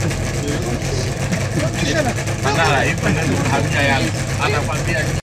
nikikunukuu mwezi februari mwaka huu chelsea waliwachapanga arsenal mabao mawili kwa moja